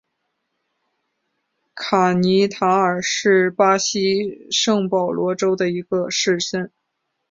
卡尼塔尔是巴西圣保罗州的一个市镇。